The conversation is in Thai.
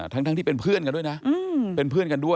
ทั้งทั้งที่เป็นเพื่อนกันด้วยนะ